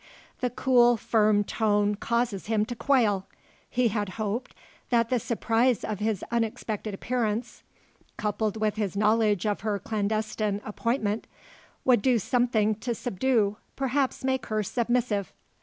The cool firm tone causes him to quail. He had hoped that the surprise of his unexpected appearance coupled with his knowledge of her clandestine appointment would do something to subdue, perhaps make her submissive.